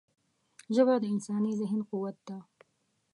ژبه د انساني ذهن قوت ده